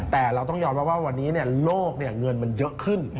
แต่เราต้องยอมรับว่าวันนี้โลกเงินมันเยอะขึ้น